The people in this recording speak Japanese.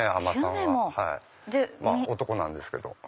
まぁ男なんですけど。